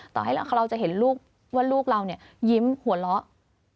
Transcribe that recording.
ต่อให้เราจะเห็นลูกว่าลูกเรานี่ยิ้มหัวเราะ